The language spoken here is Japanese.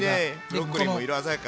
ブロッコリーも色鮮やか！